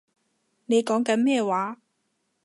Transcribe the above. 你講緊咩話